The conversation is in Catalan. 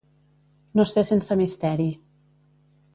No ser sense misteri.